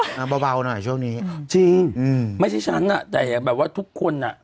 น้ำเบาหน่อยช่วงนี้จริงไม่ใช่ฉันแต่แบบว่าทุกคน